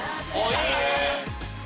いいね！